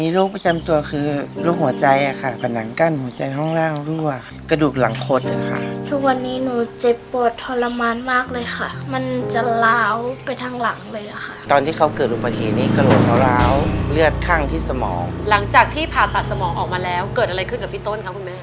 แล้วเกิดอะไรขึ้นกับพี่ต้นคะคุณแม่